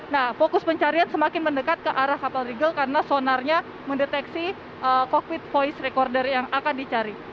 nah fokus pencarian semakin mendekat ke arah kapal regal karena sonarnya mendeteksi cockpit voice recorder yang akan dicari